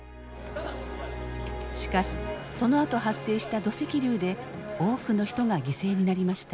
しかしそのあと発生した土石流で多くの人が犠牲になりました。